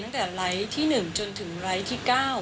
ตั้งแต่ไลท์ที่๑จนถึงไลท์ที่๙